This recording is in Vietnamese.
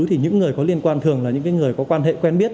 thì những người có liên quan thường là những người có quan hệ quen biết